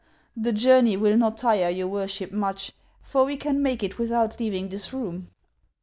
" The journey will not tire your worship much ; for we can make it without leaving this room."